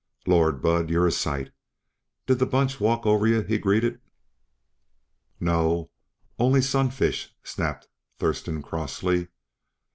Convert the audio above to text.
"Lord! Bud, you're a sight! Did the bunch walk over yuh?" he greeted. "No, only Sunfish," snapped Thurston crossly.